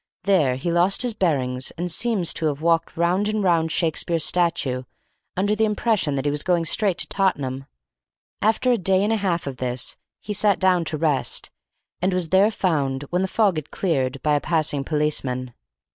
There he lost his bearings, and seems to have walked round and round Shakespeare's statue, under the impression that he was going straight to Tottenham. After a day and a half of this he sat down to rest, and was there found, when the fog had cleared, by a passing policeman.